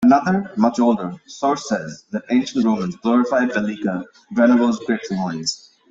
Another, much older, source says that ancient Romans glorified Velika Drenova's grapes and wine.